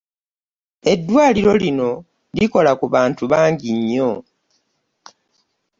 Eddwaaliro lino likola ku bantu bangi nnyo.